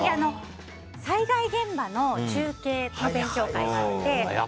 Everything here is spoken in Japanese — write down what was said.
災害現場の中継の勉強会とかあって。